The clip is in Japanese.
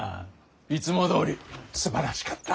いつもどおりすばらしかった！